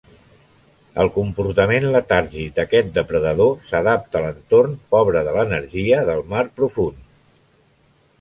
El comportament letàrgic d'aquest depredador s'adapta a l'entorn pobre de l'energia del mar profund.